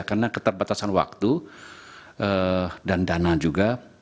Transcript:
karena keterbatasan waktu dan dana juga